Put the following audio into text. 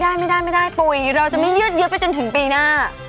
ไม่ได้ไม่ได้ปุ๋ยเราจะไม่ยืดเยอะไปจนถึงปีหน้า